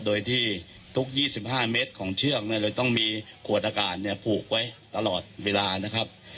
โดยที่ทุก๒๕เมตรของเชือกเลยต้องมีขวดอากาศเนี่ยผูกไว้ตลอดเวลานะครับ